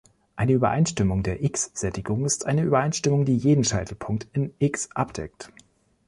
Eine Übereinstimmung der „X“-Sättigung ist eine Übereinstimmung, die jeden Scheitelpunkt in "X" abdeckt.